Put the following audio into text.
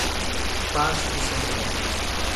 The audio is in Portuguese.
Passo do Sobrado